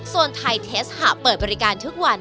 ไทยเทสหะเปิดบริการทุกวัน